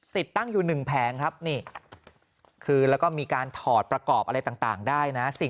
ติดตั้งอยู่๑แผงครับนี่คือแล้วก็มีการถอดประกอบอะไรต่างได้นะ